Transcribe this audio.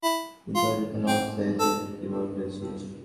কিন্তু অচেতন অবস্থায় তুই কী কী বলেছিস!